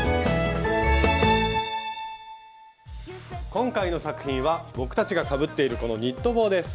今回の作品は僕たちがかぶっているこのニット帽です！